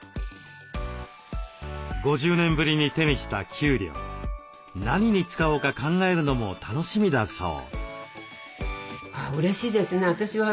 ５０年ぶりに手にした給料何に使おうか考えるのも楽しみだそう。